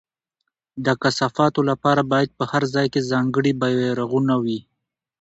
د کثافاتو لپاره باید په هر ځای کې ځانګړي بېرغونه وي.